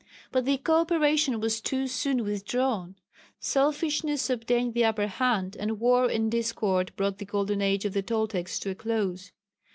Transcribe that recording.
But the co operation was too soon withdrawn. Selfishness obtained the upper hand, and war and discord brought the Golden Age of the Toltecs to a close.